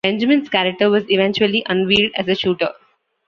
Benjamin's character was eventually unveiled as the shooter.